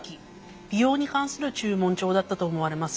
美容に関する註文帳だったと思われます。